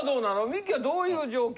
ミキはどういう上京？